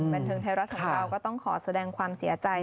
เป็นทึงเทราะห์ของเราก็ต้องขอแสดงความเสียใจ